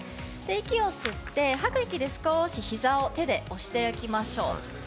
息を吸って吐く息で少し膝を手で押していきましょう。